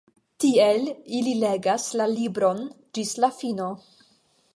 Tiel, ili legas la libron ĝis la fino.